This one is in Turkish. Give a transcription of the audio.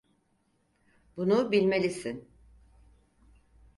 Bunu bilmelisin.